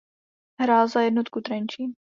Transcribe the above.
Hrál za Jednotu Trenčín.